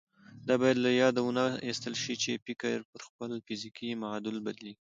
دا بايد له ياده ونه ايستل شي چې فکر پر خپل فزيکي معادل بدلېږي.